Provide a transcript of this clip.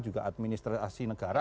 juga administrasi negara